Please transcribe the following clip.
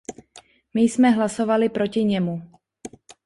My jsme hlasovali proti němu.